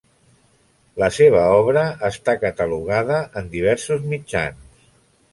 La seva obra està catalogada en diversos mitjans.